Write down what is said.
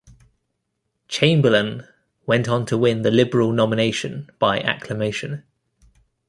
Chamberlain went on to win the Liberal nomination by acclamation.